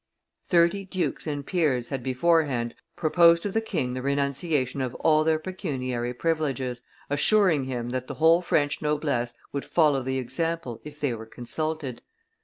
Thirty dukes and peers had beforehand proposed to the king the renunciation of all their pecuniary privileges, assuring him that the whole French noblesse would follow the example if they were consulted.